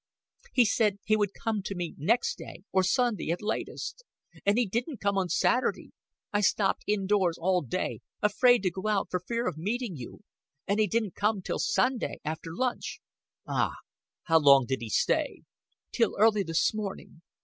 "He said he would come to me next day, or Sunday at latest. And he didn't come on Saturday I stopped indoors all day, afraid to go out for fear of meeting you and he didn't come till Sunday, after lunch." "Ah! How long did he stay?" "Till early this morning.